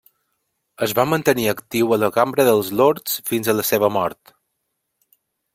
Es va mantenir actiu a la Cambra dels Lords fins a la seva mort.